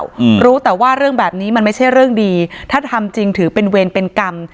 อืมรู้แต่ว่าเรื่องแบบนี้มันไม่ใช่เรื่องดีถ้าทำจริงถือเป็นเวรเป็นกรรม